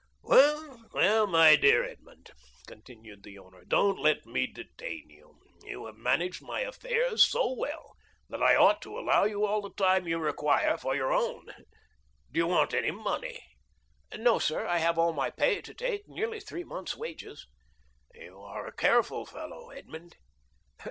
"Well, well, my dear Edmond," continued the owner, "don't let me detain you. You have managed my affairs so well that I ought to allow you all the time you require for your own. Do you want any money?" "No, sir; I have all my pay to take—nearly three months' wages." "You are a careful fellow, Edmond."